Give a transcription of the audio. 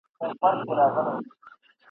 مکتب پرانیستی د جینکیو !.